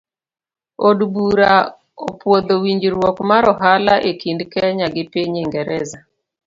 Od bura opuodho winjruok mar ohala ekind kenya gi piny ingereza.